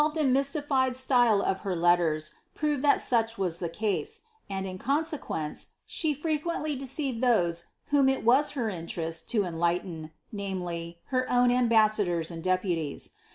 The ioTolTed and m3r8tified style of her letters proves tlist such was the case ; and in consequence, she frequently deceived those whom it was her interest to enlighten — namely, her own ambassadors and deputies.